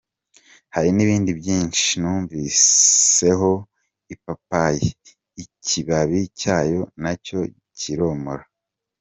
Hari n’ibindi byinshi, numviseho ipapayi, ikibabi cyayo nacyo kiromora.